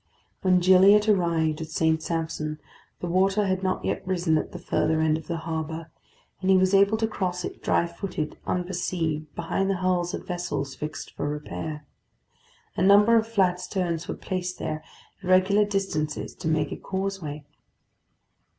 When Gilliatt arrived at St. Sampson, the water had not yet risen at the further end of the harbour, and he was able to cross it dry footed unperceived behind the hulls of vessels fixed for repair. A number of flat stones were placed there at regular distances to make a causeway.